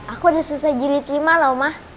aku udah selesai jilid lima lho ma